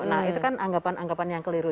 nah itu kan anggapan anggapan yang keliru